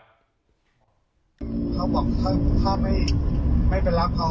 เขาบอกครับถ้าไม่เป็นลักษณ์เขา